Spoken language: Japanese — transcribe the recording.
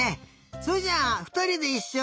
それじゃあふたりでいっしょに。